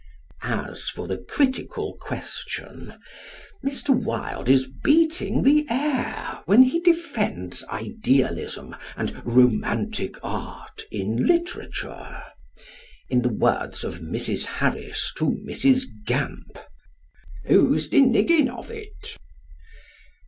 As for the critical question, Mr. Wilde is beating the air when he defends idealism and "romantic art" in literature. In the words of Mrs. Harris to Mrs. Gamp, "Who's deniging of it?"